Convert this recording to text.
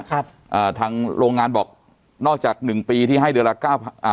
อ่าทางโรงงานบอกนอกจากหนึ่งปีที่ให้เดือนละเก้าอ่า